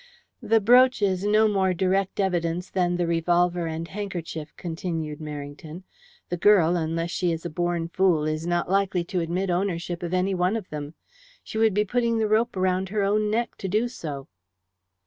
"The brooch is no more direct evidence than the revolver and handkerchief," continued Merrington. "The girl, unless she is a born fool, is not likely to admit ownership of any one of them. She would be putting the rope round her own neck to do so."